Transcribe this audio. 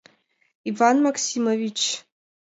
Иван Максимович!